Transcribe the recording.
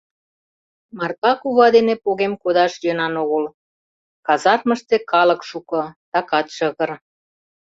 Марпа кува дене погем кодаш йӧнан огыл, казармыште калык шуко, такат шыгыр...